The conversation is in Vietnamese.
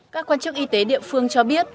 các quan chức y tế địa phương cho biết